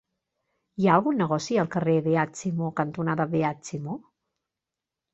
Hi ha algun negoci al carrer Beat Simó cantonada Beat Simó?